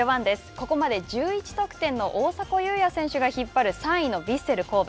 ここまで１１得点の大迫勇也選手が引っ張る３位のヴィッセル神戸。